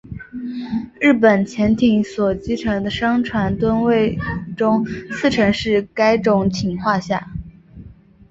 日本潜艇所击沉的商船吨位中四成是该种艇创下。